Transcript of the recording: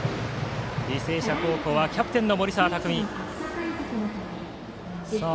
履正社高校、キャプテンの森澤拓海のプレー。